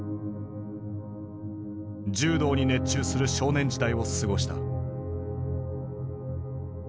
柔道に熱中する少年時代を過ごした。